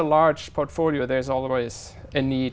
và giúp đỡ của world bank